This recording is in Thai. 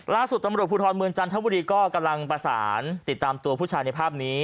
ล่าสุดตำรวจภูทรเมืองจันทบุรีก็กำลังประสานติดตามตัวผู้ชายในภาพนี้